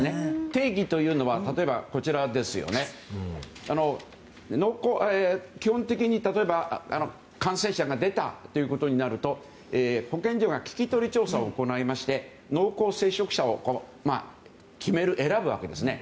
定義というのは例えば基本的に感染者が出たということになると保健所が聞き取り調査を行いまして濃厚接触者を選ぶわけですね。